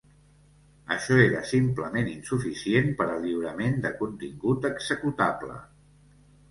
Això era simplement insuficient per al lliurament de contingut executable.